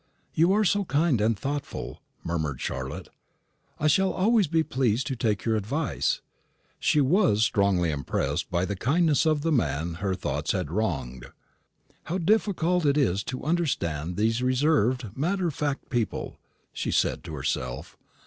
"You are so kind and thoughtful," murmured Charlotte; "I shall always be pleased to take your advice." She was strongly impressed by the kindness of the man her thoughts had wronged. "How difficult it is to understand these reserved, matter of fact people!" she said to herself.